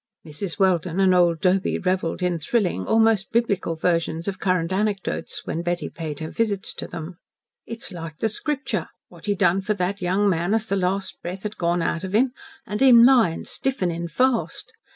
Mrs. Welden and old Doby revelled in thrilling, almost Biblical, versions of current anecdotes, when Betty paid her visits to them. "It's like the Scripture, wot he done for that young man as the last breath had gone out of him, an' him lyin' stiffening fast.